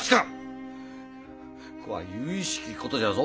こは由々しきことじゃぞ。